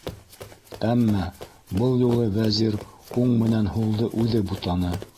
Әммә был юлы Вәзир уң менән һулды үҙе бутаны.